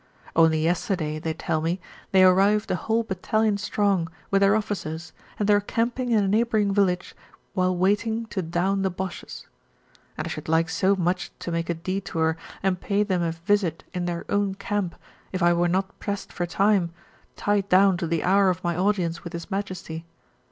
Only yesterday, they tell me, they arrived a whole battalion strong, with their officers, and they are camping in a neighbouring village while waiting to "down" the Boches. And I should like so much to make a détour and pay them a visit in their own camp if I were not pressed for time, tied down to the hour of my audience with His Majesty.